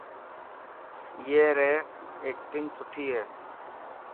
اي ري ايڪٽنگ سٺي هي.